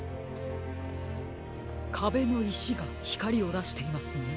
かべのいしがひかりをだしていますね。